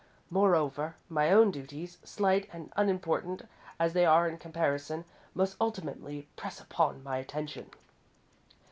Moreover, my own duties, slight and unimportant as they are in comparison, must ultimately press upon my attention."